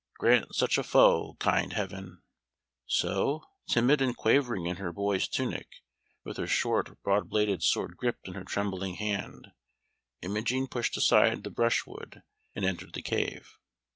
Grant such a foe, kind heaven!" [Illustration: "Best draw my sword."] So, timid and quavering, in her boy's tunic, with her short, broad bladed sword gripped in her trembling hand, Imogen pushed aside the brushwood and entered the cave.